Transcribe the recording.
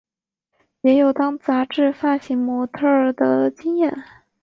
也有当杂志发型模特儿的经验。